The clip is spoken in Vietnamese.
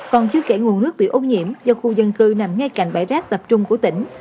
còn chứa kể nguồn nước bị ô nhiễm do khu dân cư nằm ngay cạnh bãi rác tập trung của tỉnh